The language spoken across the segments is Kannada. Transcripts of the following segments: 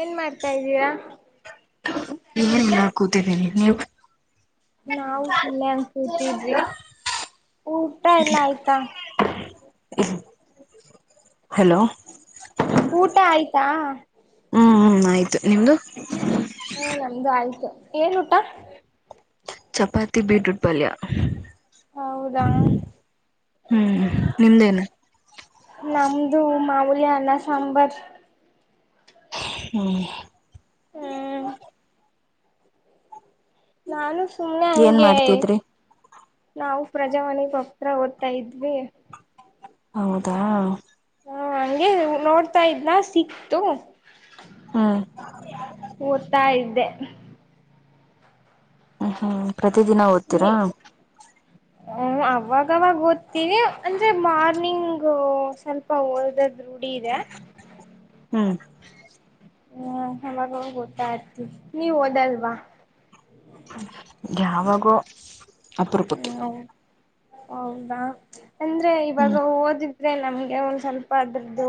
ಏನ್ ಮಾಡ್ತಾದೀರಾ ನೀ ಮಾಡ [unintelligible] ಕೂತಿದ್ದೀನಿ ನೀವು ನಾವು ಸುಮ್ಮನೆ ಅಂತ [unintelligible] ಕೂತಿದ್ವಿ ಊಟ ಎಲ್ಲ ಆಯ್ತಾ ಹಲೋ ಊಟ ಆಯ್ತಾ ಹ್ಮ್ ಹ್ಮ್ ಆಯ್ತು ನಿಮ್ದು ಹ್ಮ್ ನಮ್ದು ಆಯ್ತು ಏನ್ ಊಟ ಚಪಾತಿ ಬೀಟ್ರೂಟ್ ಪಲ್ಯ ಹೌದಾ ಹ್ಮ್ [inaudible] [inaudible] ನಮ್ದು ಮಾಮೂಲಿ ಅನ್ನ ಸಾಂಬಾರ್ ಹ್ಮ ಹ್ಮ್ ನಾನು ಸುಮ್ಮನೆ ಏನ್ ಹಂಗೆ ಮಾಡ್ತಿದ್ರಿ ನಾವು ಪ್ರಜಮನೆಗೆ ಹೋಗ್ತ ಓದ್ತಾ ಇದ್ವಿ ಹೌದಾ ಹಾ ಹಂಗೆ ನೋಡ್ತಾ ಇದ್ನ ಸಿಕ್ತು ಹ್ಮ್ ಓದ್ತಾ ಇದ್ದೆ ಹ್ಮ್ ಹ್ಮ್ ಪ್ರತ ದಿನ ಓದ್ತೀರಾ ಹ ಅವಾಗವಾಗ ಓದ್ತೀವಿ ಅಂದ್ರೆ ಮಾರ್ನಿಂಗ್ ಸ್ವಲ್ಪ ಹೊೋಲ್ದ ರೂಢ ಇದೆ ಹ್ಮ್ ಹೂ ಅವಾಗವಾಗ ಓದ್ತಾ ಇರ್ತೀನಿ ನೀವ್ ಓದೋದಿಲ್ವಾ ಯಾವಾಗೋ ಅಪರೂಪಕ್ಕೆ ಹಾ ಹೌದಾ ಅಂದ್ರೆ ಹ್ಮ್ ಇವಾಗ ಓದಿದ್ರೆ ನಮ್ಗೆ ಒಂದ ಸ್ವಲ್ಪ ಅದ್ರದ್ದು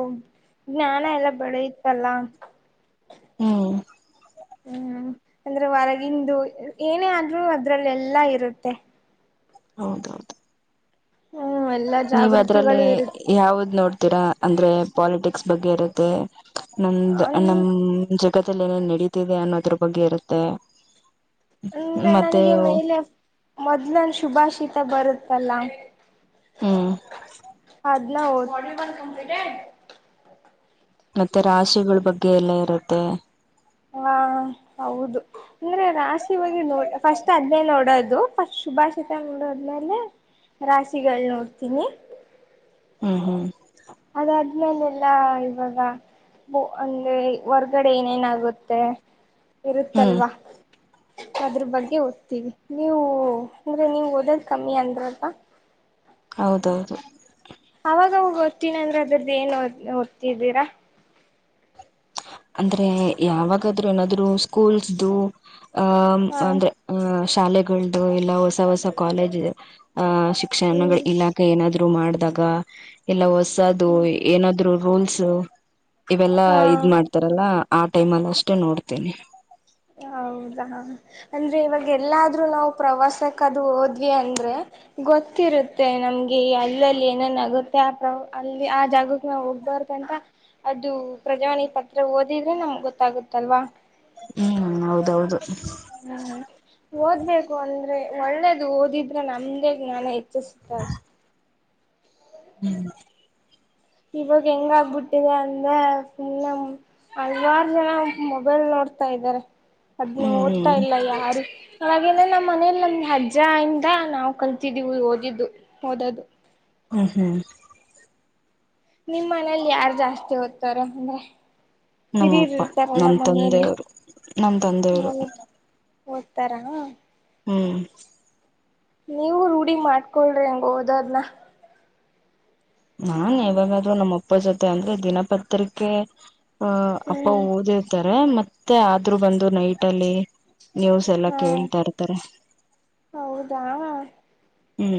ಜ್ಞಾನ ಎಲ್ಲ ಬಡಯತಲ್ಲ ಹ್ಮ್ ಹ್ಮ್ ಅಂದ್ರೆ ಹೊರಗಂದು ಏನೇ ಆದ್ರರು ಅದ್ರಲ್ಲೆಲ್ಲಾ ಇರುತ್ತೆ ಹೌದೌದು ಹ್ಮ್ ಎಲ್ಲಾ ನೀವ ಅದ್ರಲ್ಲಿ ಜಾಗೃತಿಗಳು ಇರುತ್ತೆ ಯಾವ್ದ ನೋಡ್ತೀರಾ ಅಂದ್ರೆ ಪಾಲಿಟಿಕ್ಸ್ ಬಗ್ಗೆ ಇರುತ್ತೆ ನಮ್ದ ನಮ ಜಗದಲ್ಲಿ ಏನೇನ್ ನಡೀತಿದೆ ಅನ್ನೋದ್ರ ಬಗ್ಗೆ ಇರುತ್ತೆ ಅಂದ್ರೆ ಮತ್ತೆ ನನಗೆ ಮೇಲೆ ಮೊದ್ಲನ್ ಶುಭಾಶಿತ ಬರುತ್ತಲ್ಲ ಹ್ಮ್ ಬದಲ ಮತ್ತೆ ರಾಶಿಗಳ ಬಗ್ಗೆ ಎಲ್ಲ ಇರುತ್ತೆ ಹಾ ಹೌದು ಅಂದ್ರೆ ರಾಶಿಿವಗ್ ನೋಡ್ ಫಸ್ಟ್ ಅದ್ನೇ ನೋಡೋದು ಶುಭಾಶಿತ ನಡೋದ್ಮೇಲೆ ರಾಶಿಗಳು ನೋಡ್ತೀನಿ ಹ್ಮ್ ಹ್ಮ್ ಅದ ಅದ್ಮೇಲೆ ಎಲ್ಲಾ ಇವಾಗ ಬ ಒಂದೆ ಹೊರ್ಗಡೆ ಏನೇನಾಗುತ್ತೆ ಹ್ಮ್ ಇರುತ್ತಲ್ವಾ ಅದ್ರ ಬಗ್ಗೆ ಓದ್ತೀವಿ ನೀವು ಅಂದ್ರೆ ನೀವು ಓದೋದ್ ಕಮ್ಮಿ ಅಂದ್ರಲ್ ಹೌದೌದು ಅವಾಗ ಓದ್ತಿನಿ ಅಂದ್ರೆ ಅದ್ರದ್ದ ಏನ್ ಓದ್ತಿದ್ದೀರಾ ಅಂದ್ರೆ ಯಾವಾಗಾದ್ೂ ಏನಾದ್ರು ಸ್ಕೂಲ್್ದ ಅ ಹ ಅಂದ್ರೆ ಅ ಶಾಲೆಗಳ್ದ ಇಲ್ಲ ಹೊಸ ಹೊಸ ಕಾಲೇಜ್ಹ ಶಿಕ್ಷಣಗಳ ಹ್ಮ್ ಇಲಾಖೆ ಏನಾದ್ರು ಮಾಡ್ದ ಎಲ್ಲ ಅದು ಏನಾದ್ರು ರೂಲ್ಸ್ ಇವೆಲ್ಲಾ ಹಾ ಇದ ಮಾಡ್ತಾರಲ್ಲ ಆ ಟೈಮ್ ಅಲ್ಲಿ ಅಷ್ಟೇ ನೋಡ್ತೀನಿ ಹೌದಾ ಅಂದ್ರೆ ಇವಾಗ ಎಲ್ಲಾದ್ರೂ ನಾವು ಪ್ರವಾಸಕ್ಕ ಅದು ಹೋದ್ವಿ ಅಂದ್ರೆ ಗೊತ್ತಿರ ಇರುತ್ತೆ ನಮ್ಗೆ ಅಲ್ಲಲ್ಲಿ ಏನೇನ್ ಆಗುತ್ತೆ ಆ ಪ್ರ ಅಲ್ಲಿ ಆ ಜಾಗಕ್ ನಾವ್ ಹೋಗ್ಬಾರ್ದಂತ ಅದು ಪ್ರಜಾವಾಣಿಿಗೆ ಪತ್ರ ಓದಿದ್ರೆ ನಮ್ಗ್ ಗೊತ್ತಾಗುತ್ತಲ್ವಾ ಹ್ಮ್ ಹೌದೌದು ಹ್ಮ್ ಓದ್ಬೇಕು ಅಂದ್ರೆ ಒಳ್ಳೇದು ಓದಿದ್ರೆ ನಮ್ದೇ ಜ್ಞಾನ ಹೆಚ್ಚಿಸುತ್ತೆ ಅಷ್ಟೆ [inaudible] ಹ್ಮ್ ಇವಕ್ಕೆ ಎಂಗಾ ಬಿಟ್ಟಿದೆ ಅಂತನ್ನ ಹಲವಾರು ಜನ ಮೊಬೈಲ್ ನೋಡ್ತಾ ಇದ್ದಾರೆ ಅದ್ನ್ನು ಹ್ಮ್ ಓದ್ತಾ ಹ್ಮ್ ಇಲ್ಲ ಯಾರು ಹಾಗೆನೆ ನಮ್ಮ್ ಮನೇಲಿ ನಮ್ ಅಜ್ಜ ಇಂದ ನಾವು ಕಲ್ತಿದ್ದೀವು ಓದಿದ್ದು ಓದದು ಹ್ಮ ಹ್ಮ್ ನಿಮ್ಮ್ ಮನೇಲಿ ಯಾರ್ು ಜಾಸ್ತಿ ಓದ್ತಾರ ಅಂದ್ರೆ ಹಿರಿಯರು ನಮ್ಮಪ್ಪ ಇರ್ತಾರಲ್ಲ ನಮ್ ಮನೆಯಲ್ಲಿ ತಂದೆಯವರು ನಮ್ ತಂದೆಯವರು ಹೌದು ಓದ್ತಾರಾ ಹ್ಮ್ ನೀವು ರೂಢಿ ಮಾಡ್ಕೊಳ್ರಿ ಹೆಂಗ ಹೋದದನ ನಾನ್ ಇವಾಗ್ ಅಂದ್ರೆ ನಮ್ಮಪ್ಪನ ಜೊತೆ ಅಂದ್ರೆ ದಿನಪತ್ರಿಕೆ ಹ ಅಪ್ಪ ಹ್ಮ್ ಓದಿರ್ತಾರೆ ಮತ್ತೆ ಆದ್ರೂ ಬಂದು ನೈಟ ಅಲ್ಲಿ ನೀವಸ್ ಎಲ್ಲಾ ಹಾ ಕೇಳ್ತಾ ಇರ್ತಾರೆ ಹೌದಾ ಹ್ಞ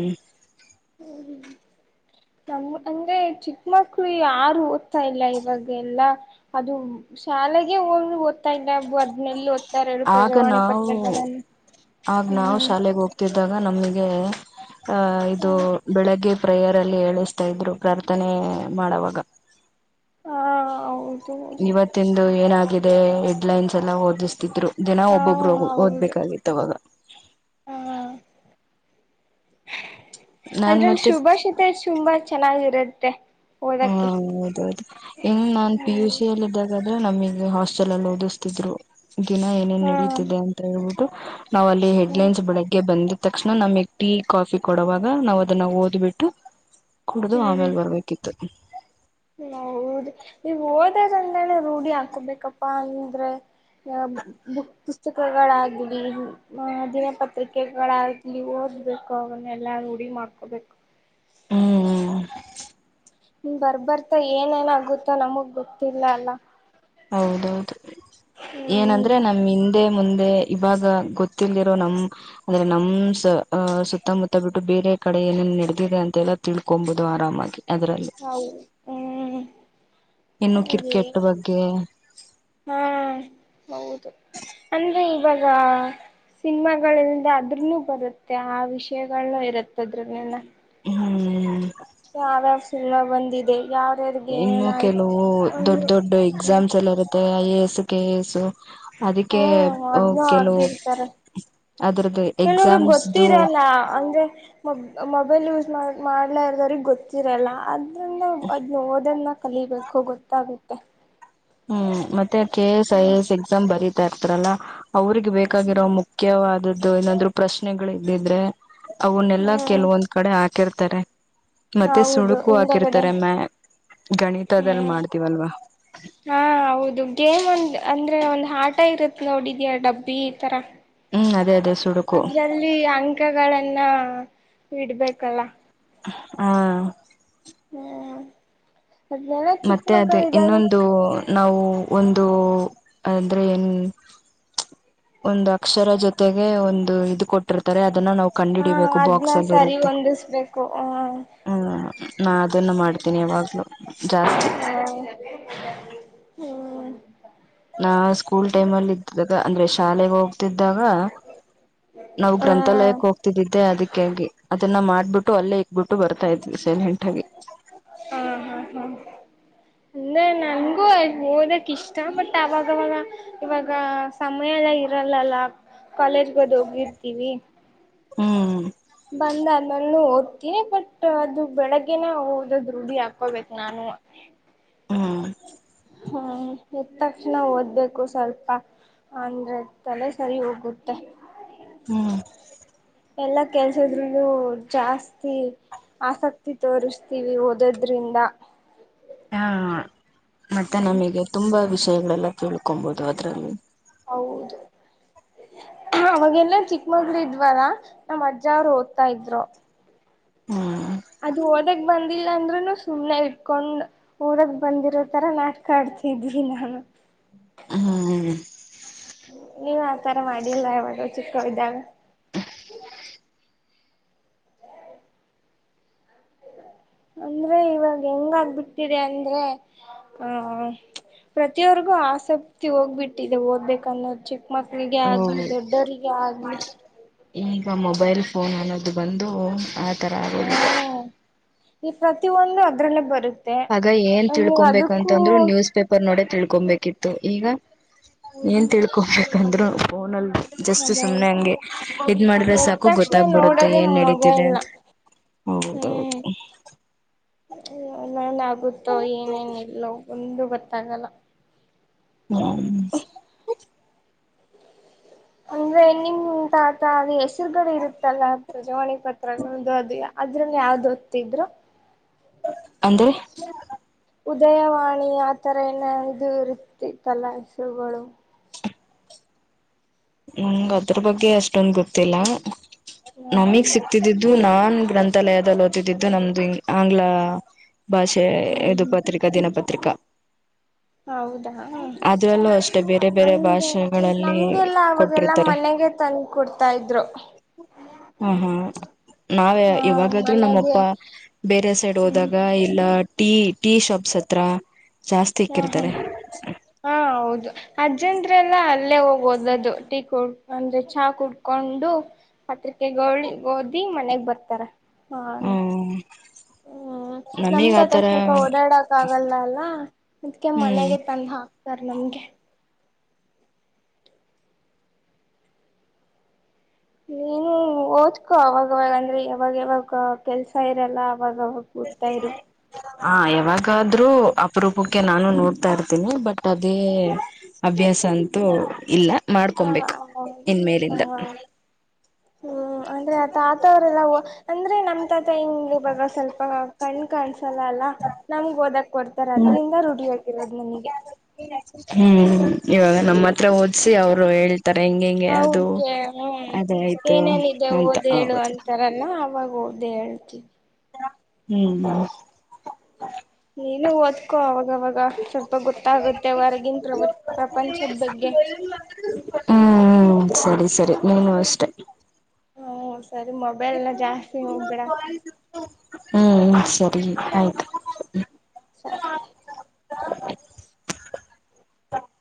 ಹ್ಮ್ಮ [unintelligible] ನಮ ಅಂದ್ರೆ ಚಿಕ್ಕಮಕ್ಕಳ ಯಾರು ಓದ್ತಾ ಇಲ್ಲ ಇವಾಗ ಎಲ್ಲಾ ಅದು ಶಾಲೆಗೆ ಹೋಗ ಓದ್ತ ಇಲ್ಲ ಅದ್ನೆಲ್ಲಿ ಓದ್ತಾರೆ ಹೇಳು ಆಗ ಪ್ರಜಾವಾಣಿ ನಾವು ಪತ್ರಿಕೆಗಳನ್ನು ಆಗ ನಾವು ಹ್ಮ್ ಶಾಲೆೆಗೆ ಹೋಗ್ತಿದ ಇದಾಗ ನಮಗೆ ಆ ಇದು ಬೆಳಗ್ಗೆ ಪ್ರೇಯರ್ ಅಲ್ಲಿ ಹೇಳಿಸ್ತಾ ಇದ್ರು ಪ್ರಾರ್ಥನೆ ಮಾಡವಾಗ ಹ ಹೌದು ಇವತ್ತಿಂದು ಏನಾಗಿದೆ ಹೆಡ್ಲೈನ್ಸ್ ಎಲ್ಲ ಓದಿಸ್ತಿದ್ರು ಜನ ಹಾ ಒಬ್ಬೊಬ್ರು ಹೌದು ಓದ್ಬೇಕಾಗಿತ್ತು ಅವಾಗ ಹಾ ನಾನ್ ಅದ್ರಲ್ಲಿ ಮತ್ತೆ ಶುಭಾಷಿತ ತುಂಬಾ ಚೆನ್ನಾಗಿರುತ್ತೆ ಹಾ ಓದಕ್ಕೆ ಹೌದೌದು ಹಂಗ ನಾನ್ ಪಿಯುಸಿ ಹ್ಮ್ ಯುಸಿಯಲ್ಲಿ ಇದ್ದಾಗ ನಮಗೆ ಹಾಸ್ಟೆಲ್ ಅಲ್ಲಿ ಓದಿಸ್ತಿದ್ರು ದಿನ ಏನೇನ್ ಹಾ ನಡೀತಿದೆ ಅಂತ ಹೇಳ್ಬಿಟ್ಟು ನಾವ್ ಅಲ್ಲಿ ಹ್ಮ್ ಹೆಡ್ಲೈನ್ಸ್ ಬೆಳಗ್ಗೆ ಬಂದು್ ತಕ್ಷಣ ನಮಗೆ ಟೀ ಕಾಫಿ ಕೊಡುವಾಗ ನಾವ್ ಅದನ್ನ ಓದ್ಬಿಟ್ಟು ಕುಡ್ದು ಆಮೇಲೆ ಬರ್ಬೇಕಿತ್ತು ಹೌದ ನೀವು ಹೋದ್ರಂದಾನೆ ರೂಢಿ ಹಾಕೋಬೇಕಪ್ಪಾ ಅಂದ್ರೆ ಬುಕ್ ಪುಸ್ತಕಗಳಾಗ್ಲಿ ದಿನಪತ್ರಿಕೆಗಳಾಗ್ಲಿ ಬಬೇಕು ಅವನ್ನ ಎಲ್ಲ ಉುಡಿ ಮಾಡ್ಕೊಬೇಕು ಹ್ಮ್್ಮ್ ಬರ್ಬರ್ತಾ ಏನ ಏನ ಆಗುತ್ತೋ ನಮಗ್ ಗೊತ್ತಿಲ್ಲ ಅಲ್ಲ ಹೌದೌದು ಏನಂದ್ರೆ ಹ್ಮ್ ನಮ್ಮ್ ಹಿಂದೆ ಮುಂದೆ ಇವಾಗ ಗೊತ್ತಿಲ್ರೋ ನಮ್ ಅಂದ್ರೆ ನಮ ಸುತ್ತಮುತ್ತ ಬಿಟ್ಟು ಬೇರೆ ಕಡೆ ಏನ ನಡೆದಿದೆ ಅಂತೆಲ್ಲ ತಿಳ್ಕೊಬಹುದು ಆರಾಮಾಗಿ ಅದ್ರಲ್ಲಿ ಹೌದು ಹ್ಮ್ ಇನ್ನು ಹಾಗೆ ಕ್ರಿಕೆಟ್ ಬಗ್ಗೆ ಹಾ ಹೌದು ಅಂದ್ರೆ ಇವಾಗ ಸಿನಿಮಾಗಳಲ್ದ ಅದ್ರನು ಬರುತ್ತೆ ಆ ವಿಷಯಗಳನ್ನ ಇರುತ್ತದ್ರನೆೆಲ್ಲ ಹ್ಮ್ ಯಾವ್ಯಸನ ಬಂದಿದೆ ಯಾವ್ಯಾರ್ಗೆ ಇನ್ನು ಏನೇನಾಯ್ತು ಕೆಲವು ದೊಡ್ ಅವನು ದೊಡ್ಡ ಎಕ್ಸಾಮ್ಸ್ ಎಲ್ಲ ಇರುತ್ತೆ I A S K A S ಅದಕ್ಕೆ ಹ್ಮ್ ಕೆಲವು ಅದ್ರದ್ದು ಕೆಲವ್ರ ಎಕ್ಸಾಮ್ಸ್ದು ಗೊತ್ತಿರಲ್ಲ ಅಂದ್ರೆ ಮ ಮ ಮೊಬೈಲ್ ಯೂಸ್ ಮಾಡಿ ಮಾಡ್ಲ ಇರದೋ್ರಿಗೆ ಗೊತ್ತಿರೋಲ್ಲ ಅದರಿಂದ ಅದನ್ನ ಓದನ್ನ ಕಲಿಬೇಕು ಗೊತ್ತಾಗುತ್ತೆ ಹ್ಮ್ ಮತ್ತೆ K S I hmm S ಪರೀಕ್ಷೆ ಬರತಾ ಇರ್ತಾರಲ್ಲ ಅವ್ರಿಗೆ ಬೇಕಾಗಿರೋ ಮುಖ್ಯವಾದದ್ದು ಏನಾದ್ರು ಪ್ರಶ್ನೆಗಳು ಇದ್ದಿದ್ರೆ ಅವನ್ನೆಲ್ಲಾ ಹ್ಮ್ ಕೆಲವೊಂದ್ ಕಡೆ ಹಾಕಿರ್ತಾರೆ ಮತ್ತೆ ಹೌದು ಸುಡುಕು ಹಿಂದಗಡೆ ಹಾಕಿರ್ತಾರೆ ಮ್ಯ ಗಣಿತದಲ್ಲಿ ಹ್ಮ್ ಮಾಡ್ತೀವಲ್ವಾ ಹಾ ಹೌದು ಗೇಮ್ ಒಂದ್ ಅಂದ್ರೆ ಒಂದ್ ಆಟ ಇರುತ್ತೆ ನೋಡಿದ್ಯಾ ಡಬ್ಬಿ ಈ ತರ ಹ್ಮ್ ಅದೇ ಅದೇ ಸುಡುಕು ಅದ್ರಲ್ಲಿ ಅಂಕಗಳನ್ನ ಇಡ್ಬೇಕಲ್ಲ ಹಾ ಹ್ಮ್ ಅದ್ನೆಲ್ಲ ಚಿಕ್ಕ ಮತ್ತೆ ಅದು ಮಕ್ಕಳು ಇದಾಗ ಇನ್ನೊಂದು ನಾವು ಒಂದು ಅಂದ್ರೆ ಏನ್ ಒಂದು ಅಕ್ಷರ ಜೊತೆಗೆ ಒಂದು ಇದು ಕೊಟ್ಟಿರ್ತಾರೆ ಹ ಅದ್ನ ಸರಿ ಕಲ್ಲಿ ಹೊಂದಿಸ್ಬೇಕು ಹ ಮಾಡ ಮಾಡತನಿ ಯಾವಾಗ್ಲೂ ಜಾಸ್ತಿ ಹೌ ನಾ ಸ್ಕೂಲ್ ಟೈಮ್ ಅಲ್ಲಿ ಇದ್ದಾಗ ಅಂದ್ರೆ ಶಾಲೆಗೆಗ ಹೋಗ ನಾವು ಹ ಗ್ರಂಥಾಲಯಕ್ಕೆ ಹಾ ಹೋಗ್ತಿದ್ದಿದ್ದೆ ಅದಕ್ಕಾಗಿ ಅದೆಲ್ಲ ಮಾಡ್ಬಿಟ್ಟ ಬಟ್ಟು ಅಲ್ಲೇ ಇಕ್ಬಿಟ್ಟು ಬರ್ತಾ ಇದ್ವಿ ಸಲ್ ಹೆಂಟಾಗಿ ಹ್ಮ ಅಂದ ನನ್ಗೂ ಓದಕ್ ಇಷ್ಟ ಬಟ್ ಅವಾಗವಾಗ ಇವಾಗ ಸಮಯ ಎಲ್ಲ ಇರಲ್ಲಲ್ಲ ಕಾಲೇಜ್ಗದ ಹೋಗಿರ್ತೀವಿ ಹ್ಮ್ ಬಂದ ಅದ್ಮೇಲ್ ಓದ್ತೀನಿ ಬಟ್ ಅದು ಬೆಳಗ್ಗೆನ ಓದದ್ ರೂಢಿ ಹಾಕೋಬೇಕ ನಾನು ಹ ಹ್ಮ್ ಹ್ಮ ಎ್ದ ತಕ್ಷಣ ಓದ್ಬೇಕು ಸ್ವಲ್ಪ ಅಂದ್ರ ತಲೆೇ ಸರಿ ಹೋಗುತ್ತೆ [unintelligible] ಹ್ಮ್ ಎಲ್ಲಾ ಕೆಲ್ಸದ್ರು ಜಾಸ್ತಿ ಆಸಕ್ತಿ ತೋರಿಸ್ತೀವಿ ಓದದ್ರಿಂದ ಹಾ ಮತ್ತೆ ನಮಗೆ ತುಂಬಾ ವಿಷಯಗಳೆಲ್ಲ ತಿಳ್ಕೊಬಹದು ಅದ್ರಲ್ಲಿ ಹೌದು ಅವಾಗೆಲ್ಲ ಚಿಕ್ಕಮಗ್ಳೂ ಇದ್ವಾರಾ ನಮ್ಮ್ ಅಜ್ಜ ಅವ್ರು ಓದ್ತಾ ಇದ್ರು ಹ್ಮ್ ಅದು ಓದಕ್ ಬಂದಿಲ್ಲ ಅಂದ್ೂನು ಸುಮ್ನೆ ಇಟ್ಕೊಂಡ್ ಓದಕ್ ಬಂದಿರೋ ತರ ನಾಟಕ ಆಡ್ ಸಿದ್ದ ನ ಹ್ಮ್ ನೀವ್ ಆತರ ಮಾಡಿಲ್ಲ ಯಾವಾಗ ಚಿಕ್ಕವರು ಇದಿದ್ದಾಗ ಅಂದ್ರೆ ಇವಾಗ ಹೆಂಗ ಆಗ್ಬಿಟ್ಟಿದೆ ಅಂದ್ರೆ ಆ ಪ್ರತಿಯವರ್ಗೂ ಆಸಕ್ತಿ ಹೋಗ್ಬಿಟ್ಟಿದೆ ಓದ್ಬೇಕ ಅನ್ನೋ ಚಿಕ್ಕ ಚಿಕ್ ಮಕ್ಳಿಗೆ ಆಗ್ಲಿ ಹ್ಮ್ ದೊಡ್ಡರಿಗೆ ಆಗ್ಲಿ ಈಗ ಮೊಬೈಲ್ ಫೋನ್ ಅನ್ನೋದು ಬಂದು ಆತರ ಆಗೋದಿಲ್ಲ ಹ್ಮ್ ಈ ಪ್ರತಿಯೊಂದು ಅದ್ರಲ್ಲೇ ಬರುತ್ತೆ ಆಗ ಏನ್ ನೀವು ಅದಕ್ಕೂ ತಿಳ್ಕೊಬೇಕಂತಂದ್ರು ನ್ಯೂಸ್ ಪೇಪರ್ ನೋಡ ತಿಳ್ಕೊಬೇಕಿತ್ತು ಈಗ ಹೌದು ಏನ್ ತಿಳ್ಕೊಬೇಕಂದ್ರು ಫೋನಲ್ಲಿ ಜಸ್ತ್ ಮೊಬೈಲ್ ಸುಮ್ನೆ ಹಂಗೆ ಇದ್ ಮಾಡಿದ್ರೆ ಎದ್ದ ಸಾಕು ತಕ್ಷಣ ಗೊತ್ತಾಗ್ಬಿಡುತ್ತೆ ನೋಡೋದೇ ಏನ್ ನಡೀತಿದೆ ಮೊಬೈಲ್ನ ಅಂತ ಹೌದೌದು ನನ್ ಆಗುತ್ತೋ ಏನೇನ ಇಲ್ಲೋ ಒಂದು ಗೊತ್ತಾಗಲ್ಲ ಹ್ಮ್ ಅಂದ್ರೆ ನಿಮ ತ ಆತ ಅದು ಹೆಸರುಗಳು ಇರುತ್ತಲ್ಲ ಬಜಾವಾಣಿ ಪತ್ರಗಳುದು ಅದು ಅದ್ರನ್ನು ಯಾವ್ದು ಹೊತ್ತಿದ್ರು ಅಂದ್ರೆ ಉದಯವಾಣಿ ಆಥರ ಏನ ಇದು ಇರುತ್ತ ಕಲ್ಲ ಹೆಸರುಗಳು [unintelligible] ನ ಅದ್ರ ಬಗ್ಗೆ ಅಷ್ಟೊಂದ ಗೊತ್ತಿಲ್ಲ ಹ ಹಾ ನಮಿಗ್ ಸಿಕ್ತಿದ್ದಿದ್ದು ಇದು ನಾನ್ ಗ್ರಂಥಾಲಯದಲ್ಲಿ ಓತಿದ್ದಿದ್ದು ನಮ್ದು ಆಂಗ್ಲ ಭಾಷೆ ಹ್ಮ್ ಇದು ಹ್ಮ್ ಪತ್ರಿಕಾ ದಿನಪತ್ರಿಕಾ ಹೌದಾ ಅದ್ರಲ್ಲೂ ಅಷ್ಟೆ ಬೇರೆ ಬೇರೆ ನಮಗೆ ಭಾಷೆಗಳಲ್ಲಿ ನಮ್ಗೆಲ್ಲ ಆಗ ಅದೆಲ್ಲಾ ಕೊಟ್ಟಿರ್ತಾರೆ ಮನೆಗೆ ತಂದು ಕೊಡ್ತಾ ಇದ್ರು ಹಾ ಹಾ ನಾವೇ ಹ ಇವಾಗಾದ್ರೂ ಮನೆಗೆ ನಮ್ಮಪ್ಪ ಬೇರೆ ಸೈಡ್ ಹ್ಮ್ ಹೋದಾಗ ಇಲ್ಲ ಟೀ ಟೀ ಶಾಪ್ಸ್ ಹತ್ರ ಜಾಸ್ತಿ ಹಾ ಇಕ್ಕಿರ್ತಾರೆ ಅಜ್ಜಂತ್ರೆಲ್ಲಾ ಅಲ್ಲೇ ಹೋಗ್ೋದ ಅದು ಟೀ ಕುಡ್ ಅಂದ್ರೆ ಚಾ ಕುಡ್ಕೊಂಡು ಪತ್ರಿಕೆ ಗೋಳಿ ಓದಿ ಮನೆಗ್ ಬರ್ತಾರ ಹ್ಮ್ ಹ ನಮ್ದ ನಮೀಗ್ ಅದಾಗ ಆತರ ಸ್ವಲ್ಪ ಓಡಾಡಕ್ ಆಗಲ್ಲ ಅಲ್ಲ ಅದ್ಕ ಹ್ಮ್ ಮನೆಗೆ ತಂದ ಹಾಕ್ತಾರ ನಮ್ದ [inaudible] ನೀನು ಓದ್ಕೊ ಅವಾಗವಾಗ ಅಂದ್ರೆ ಯಾವಾಗ ಯಾವಾಗ ಕೆಲ್ಸ ಇರಲ್ಲ ಅವಾಗ ಕೂತ್ತಾ ಇರು ಹಾ ಯಾವಾಗಾದ್ರೂ ಅಪರೂಪಕ್ಕೆ ನಾನು ನೋಡ್ತಾ ಇರ್ತೀನಿ ಬಟ್ ಅದೇ ಅಭ್ಯಾಸ ಅಂತೂ ಇಲ್ಲ ಹಾ ಹ ಮಾಡ್ಕೊಬೇಕು ಹ ಇನ್ಮೇಲಿಂದ ಹ್ಮ್ ಅಂದ್ರೆ ಆ ತಾತವರೆಲ್ಲಾ ಅಂದ್ರೆ ನಮ್ದ ಮ ಹಿಂಗೆ ಬಾಗ ಸ್ವಲ್ಪ ಕಣ್ಣ್ ಕಾಣಸಲ್ಲ ಅಲ್ಲ ನಮ್ಗೆ ಓದಕ್ ಕೊಡ್ತಾರ ಅದ್ರಿಂದ ರುಢಿಯಕ್ ಇರೋದ ಮನಗೆ ಹ್ಮ್ ಇವಾಗ ನಮ್ಮತ್ ಹತ್ರ ಓದಸಿ ಅವರು ಹೇಳ್ತಾರೆ ಹೆಂಗ ಹೆಂಗೆ ಅದು ಅವ್ರಗೆ ಹ್ಮ್ ಅದಾಯ್ತು ಅಂತ ಅಂತರಲ್ಲ ಅವಾಗ ಓ್ದಹೇಳ್ತೀವಿ ಹ್ಮ್ ನೀನು ಓದ್ಕೋ ಅವಾಗವಾಗ ಸ್ವಲ್ಪ ಗೊತ್ತಾಗುತ್ತೆವರ [inaudible] ಹ್ಮ್ ಸರಿ ಸರಿ ನೀನುೂ ಅಷ್ಟೆ ಹ್ಮ ಸರಿ ಮೊಬೈಲ್ನ ಜಾಸ್ತಿ ನೋಡ್ಬೇಡ ಹ್ಮ್ ಹ್ಮ ಸರಿ ಆಯ್ತು ಸಾತ